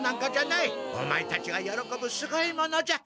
オマエたちがよろこぶすごいものじゃ。